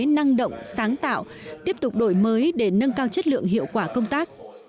năng động sáng tạo tiếp tục đổi mới để nâng cao chất lượng hiệu quả công tác